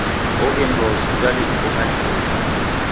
Oghenjwa hospitali uko hali izamie.